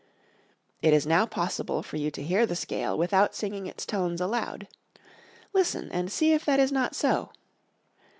It is now possible for you to hear the scale without singing its tones aloud. Listen and see if that is not so!